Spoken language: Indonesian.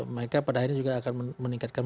mereka pada akhirnya juga akan meningkatkan